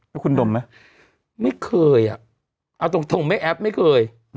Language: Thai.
แล้วคุณดมไหมไม่เคยอ่ะเอาตรงแม่แอปไม่เคย